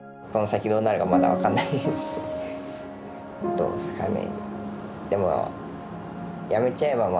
どうですかね。